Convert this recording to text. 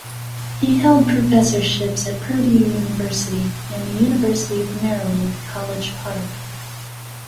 He held professorships at Purdue University and the University of Maryland, College Park.